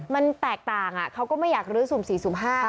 มันแตกต่างเขาก็ไม่อยากลื้อสุ่ม๔สุ่มห้า